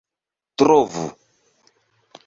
trovu